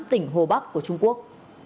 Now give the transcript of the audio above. tỉnh hồ bắc của trung quốc